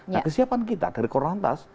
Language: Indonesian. nah kesiapan kita dari korlantas